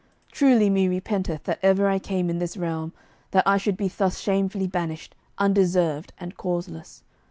Truly me repenteth that ever I came in this realm that I should be thus shamefully banished, undeserved, and causeless.